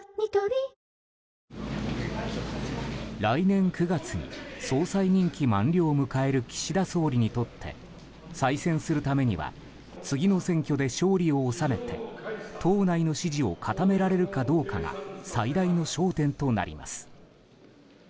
来年９月に総裁任期満了を迎える岸田総理にとって再選するためには次の選挙で勝利を収めて党内の支持を固められるかどうかが最大の焦点となります。